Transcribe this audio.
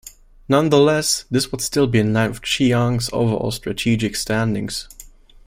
Nonetheless, this would still be in line with Chiang's overall strategic standings.